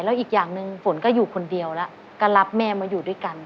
แล้วอีกอย่างหนึ่งฝนก็อยู่คนเดียวแล้วก็รับแม่มาอยู่ด้วยกัน